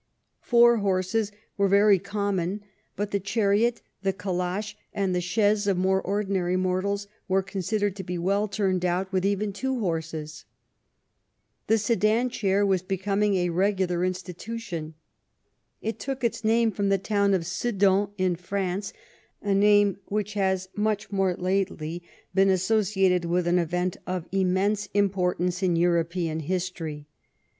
Four horses were very common, but the chariot, the calash, and the chaise of more ordinary mortals were considered to be well turned out with even two horses. The sedan chair was becoming a regular institution. It took its name from the town of Sedan, in France, a name which has much more lately been associated with an event of immense importance in European history.